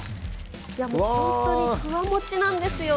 本当にふわもちなんですよ。